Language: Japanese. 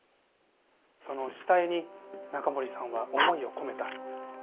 その下絵に中森さんは思いを込めた。